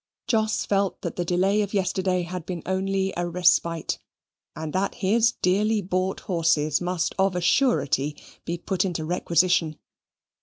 Jos felt that the delay of yesterday had been only a respite, and that his dearly bought horses must of a surety be put into requisition.